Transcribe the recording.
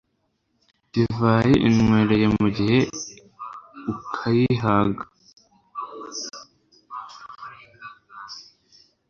divayi unywereye mu gihe ukayihaga